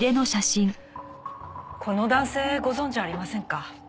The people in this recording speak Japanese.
この男性ご存じありませんか？